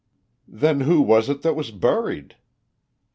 "Then who was it that was buried?"